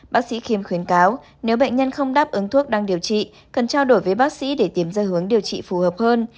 bác sĩ khiêm khuyến cáo nếu bệnh nhân không đáp ứng thuốc đang điều trị cần trao đổi với bác sĩ để tìm ra hướng điều trị phù hợp hơn